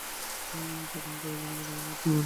তা কেমন করিয়া জানিব, আমরা মূর্খ মেয়েমানুষ।